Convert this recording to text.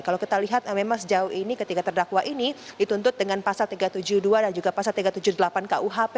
kalau kita lihat memang sejauh ini ketiga terdakwa ini dituntut dengan pasal tiga ratus tujuh puluh dua dan juga pasal tiga ratus tujuh puluh delapan kuhp